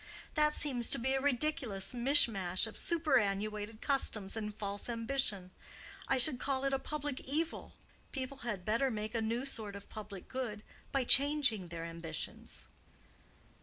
That seems to be a ridiculous mishmash of superannuated customs and false ambition. I should call it a public evil. People had better make a new sort of public good by changing their ambitions."